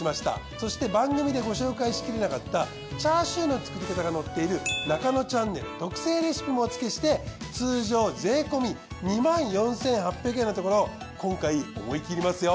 そして番組でご紹介しきれなかったチャーシューの作り方が載っているナカノチャンネル特製レシピもおつけして通常税込２４，８００円のところ今回思い切りますよ